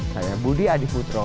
saya budi adiputro